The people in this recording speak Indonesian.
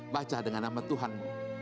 baca dengan nama tuhanmu